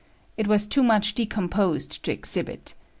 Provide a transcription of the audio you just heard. It was too much decomposed to exhibit.